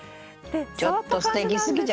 ちょっとすてきすぎじゃない？